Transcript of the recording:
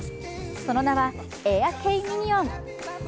その名はエアー・ケイ・ミニオン。